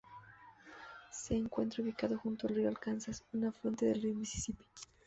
Se encuentra ubicada junto al río Arkansas, un afluente del río Misisipi.